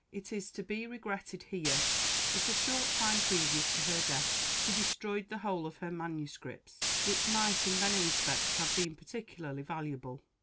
It is to be regretted here that a short time previous to her death she destroyed the whole of her manuscripts, which might, in many respects, have been particularly valuable.